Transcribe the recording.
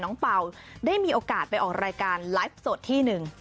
เป่าได้มีโอกาสไปออกรายการไลฟ์สดที่หนึ่ง